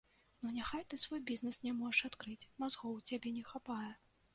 Ну, няхай ты свой бізнэс не можаш адкрыць, мазгоў у цябе не хапае.